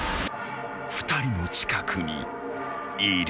［２人の近くにいる］